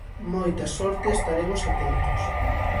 Moita sorte e estaremos atentos.